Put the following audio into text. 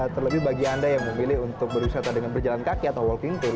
terlebih bagi anda yang memilih untuk berwisata dengan berjalan kaki atau walking tour